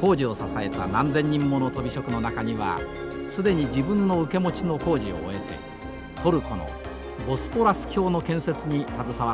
工事を支えた何千人ものとび職人の中には既に自分の受け持ちの工事を終えてトルコのボスポラス橋の建設に携わっている人々もいます。